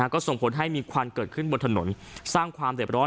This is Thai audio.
ก็ส่งผลให้มีควันเกิดขึ้นบนถนน